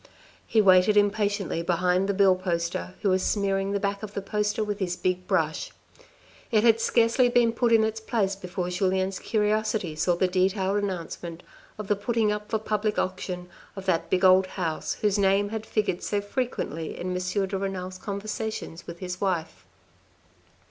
He waited impatiently behind the bill poster who was smearing the back of the poster with his big brush. It had scarcely been put in its place before Julien's curiosity saw the detailed announcement of the putting up for public auction of that big old house whose name had figured so frequently in M. de Renal's conversations with his wife.